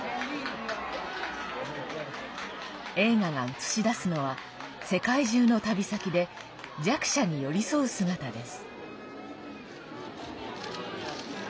映画が映し出すのは世界中の旅先で弱者に寄り添う姿です。